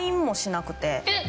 えっ！